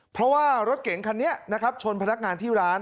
เพราะว่ารถเก่งคันนี้นะครับชนพนักงานที่ร้าน